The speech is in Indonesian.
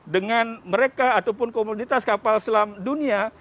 dengan mereka ataupun komunitas kapal selam dunia